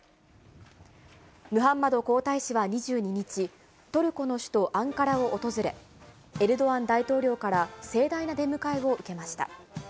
ムハンマド皇太子は２２日、トルコの首都アンカラを訪れ、エルドアン大統領から、盛大な出迎えを受けました。